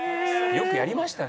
よくやりましたね。